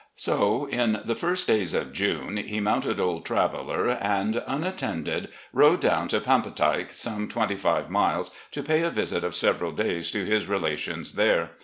So in the first days of June he mounted old Traveller and, unattended, rode down to "Pampatike" — some twenty five miles — ^to pay a visit of several days to his relations there.